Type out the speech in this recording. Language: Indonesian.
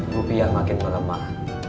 rupiah makin melemah